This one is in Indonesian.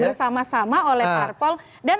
bersama sama oleh partai politik dan